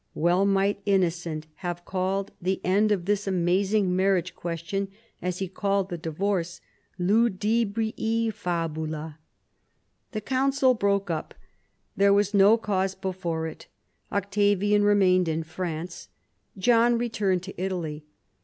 Well might Innocent have called the end of this amazing marriage question, as he had called the divorce, " ludibrii fabula." The council broke up. There was no cause before it. Octavian remained in France. John returned to Italy.